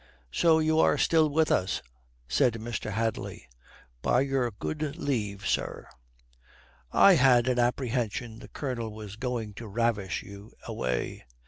"So you are still with us," said Mr. Hadley. "By your good leave, sir." "I had an apprehension the Colonel was going to ravish you away."